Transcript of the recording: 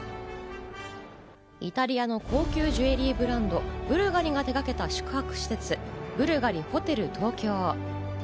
イタリアの高級ジュエリーブランド、ブルガリが手がけた宿泊施設、ブルガリホテル東京。